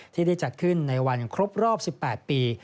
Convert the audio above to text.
ที่ได้จัดขึ้นในวันครบรอบ๑๘ปี